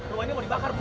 rumah ini mau dibakar bu